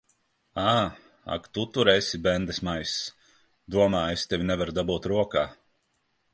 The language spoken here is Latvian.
Ā! Ak tu tur esi, bendesmaiss! Domā, es tevi nevaru dabūt rokā.